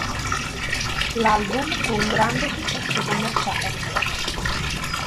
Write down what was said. L'album fu un grande successo commerciale.